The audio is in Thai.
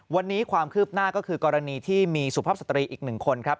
วันนี้ความคืบหน้าก็คือกรณีที่มีสุภาพสตรีอีกหนึ่งคนครับ